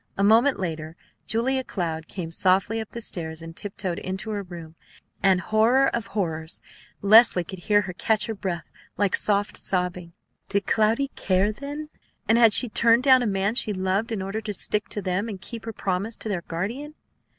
A moment later Julia Cloud came softly up the stairs and tiptoed into her own room, and, horror of horrors! Leslie could hear her catch her breath like soft sobbing! Did Cloudy care, then, and had she turned down a man she loved in order to stick to them and keep her promise to their guardian?